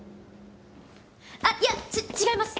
あっいやち違います